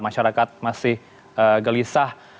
masyarakat masih gelisah